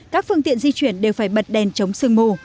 các phương tiện di chuyển đều phải bật đèn chống sương mù